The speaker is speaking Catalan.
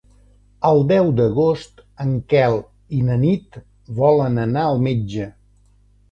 El deu d'agost en Quel i na Nit volen anar al metge.